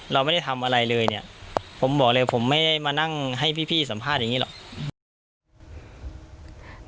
เราไม่ได้ทำอะไรเลยเนี่ยผมบอกเลยผมไม่ได้มานั่งให้พี่สัมภาษณ์อย่างนี้หรอก